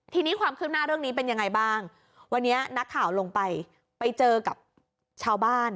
ทีนี้ความคืบหน้าเรื่องนี้เป็นยังไงบ้างวันนี้นักข่าวลงไปไปเจอกับชาวบ้าน